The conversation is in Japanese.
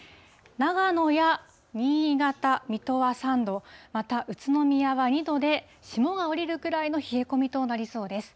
長野や新潟、水戸は３度、また宇都宮は２度で、霜が降りるくらいの冷え込みとなりそうです。